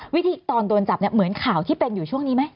วิธีตอนโดนจับเนี่ยเหมือนข่าวที่เป็นอยู่ช่วงนี้ไหม